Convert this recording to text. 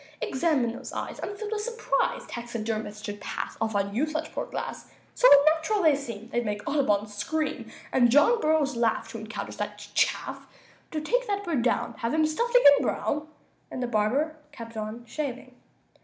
"Examine those eyes. I'm filled with surprise Taxidermists should pass Off on you such poor glass; So unnatural they seem They'd make Audubon scream, And John Burroughs laugh To encounter such chaff. Do take that bird down; Have him stuffed again, Brown!" And the barber kept on shaving.